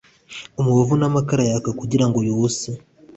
Umubavu n amakara yaka kugira ngo yose